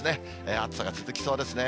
暑さが続きそうですね。